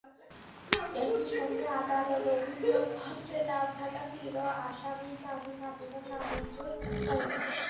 একই সঙ্গে আদালত অভিযোগপত্রে নাম থাকা তিন আসামির জামিন আবেদন নামঞ্জুর করেন।